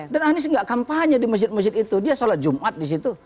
dan anies enggak kampanye di masjid masjid itu dia salah jumat di situ